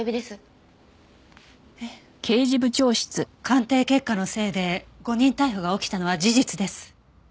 鑑定結果のせいで誤認逮捕が起きたのは事実です。